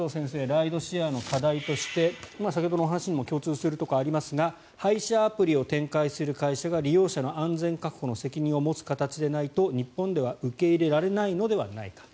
ライドシェアの課題として先ほどのお話にも共通するところがありますが配車アプリを展開する会社が利用者の安全確保の責任を持つ形でないと日本では受け入れられないのではないか。